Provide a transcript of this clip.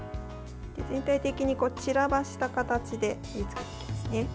全体的に散らばした形で盛りつけていきますね。